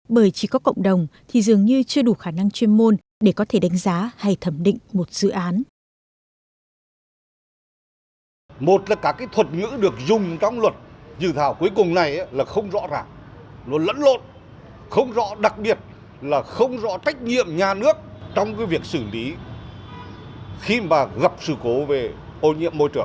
bởi chỉ có cộng đồng thì dường như chưa đủ khả năng chuyên môn để có thể đánh giá hay thẩm định một dự án